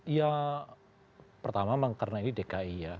ya pertama memang karena ini dki ya